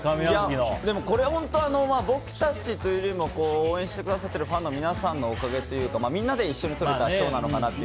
これ、僕たちというより応援してくださっているファンの皆さんのおかげというかみんなで一緒にとれた賞なのかなって。